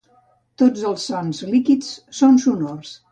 Tots els sons líquids són sonors.